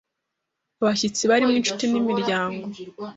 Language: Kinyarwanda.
abashyitsi barimo inshuti n’imiryango